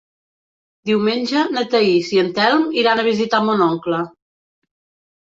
Diumenge na Thaís i en Telm iran a visitar mon oncle.